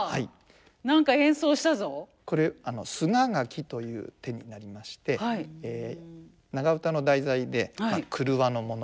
これ「すががき」という手になりまして長唄の題材で廓のもの